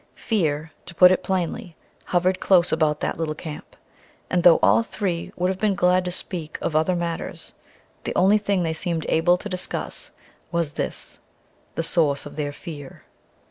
Fear, to put it plainly, hovered close about that little camp, and though all three would have been glad to speak of other matters, the only thing they seemed able to discuss was this the source of their fear.